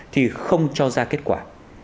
thì không cho ra kết quả